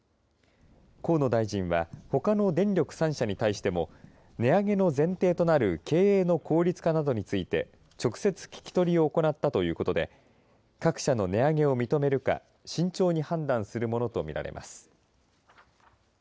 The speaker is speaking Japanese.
河野大臣はほかの電力３社に対しても値上げの前提となる経営の効率化などについて直接聞き取りを行ったということで各社の値上げを認めるか慎重に判断するものと見られます。